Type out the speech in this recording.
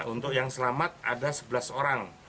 untuk yang selamat ada sebelas orang